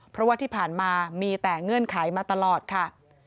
เพราะว่าที่ผ่านมามีแต่เงื่อนไขมาตลอดค่ะ